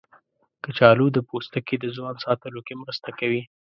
کچالو د پوستکي د ځوان ساتلو کې مرسته کوي.